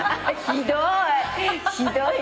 ひどいね。